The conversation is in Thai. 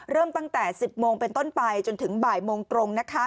เริ่มตั้งแต่๑๐โมงเป็นต้นไปจนถึงบ่ายโมงตรงนะคะ